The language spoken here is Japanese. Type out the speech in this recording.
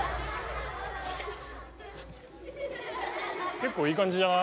結構いい感じじゃない？